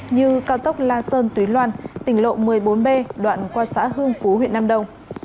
như cao tốc la sơn túy loan tỉnh lộ một mươi bốn b đoạn qua xã hương phú huyện nam đông